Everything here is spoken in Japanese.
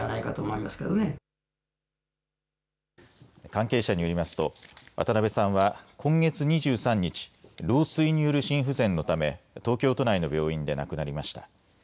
関係者によりますと渡辺さんは今月２３日、老衰による心不全のため東京都内の病院で亡くなりました。